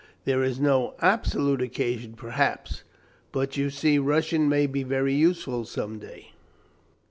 "There is no absolute occasion perhaps, but you see Russian may be very useful some day."